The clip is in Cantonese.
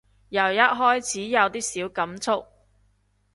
由一開始有啲小感觸